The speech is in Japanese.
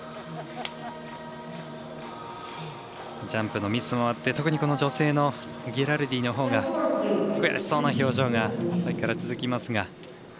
ジャンプのミスもあって特に女性のギラルディのほうが悔しそうな表情が続きますが。